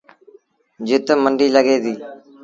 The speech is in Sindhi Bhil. جت منڊيٚ لڳي ديٚ